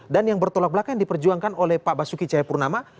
dan yang bertolak belakang yang diperjuangkan oleh pak basuki cahayapurnama